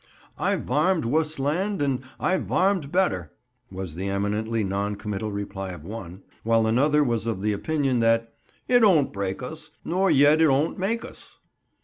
"I've varmed wuss land an' I've varmed better," was the eminently non committal reply of one; while another was of the opinion that "it 'on't break us, nor yet it 'on't make us."